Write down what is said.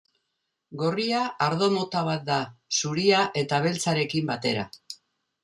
Gorria ardo mota bat da, zuria eta beltzarekin batera.